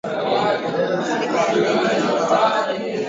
ashirika ya ndege ya kimataifa